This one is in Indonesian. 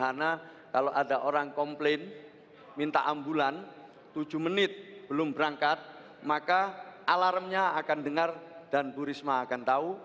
karena kalau ada orang komplain minta ambulan tujuh menit belum berangkat maka alarmnya akan dengar dan bu risma akan tahu